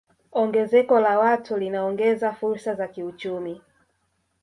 Ongezeko la watu linaongeza fursa za kiuchumi